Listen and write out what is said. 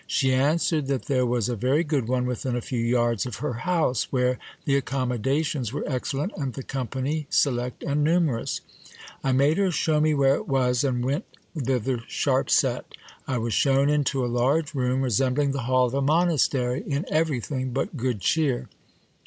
She answered that there was a very good one within a few yards of her house, where the accommodations were excellent, and the company select and numerous. I made her shew me where it was, and went thither sharp set. I was shewn into a large room, resembling the hall of a monastery in everything but good cheer.